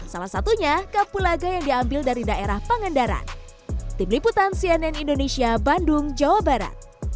salah satunya kapulaga yang diambil dari daerah pangendara